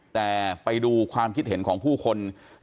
แต่ไปดูความคิดเห็น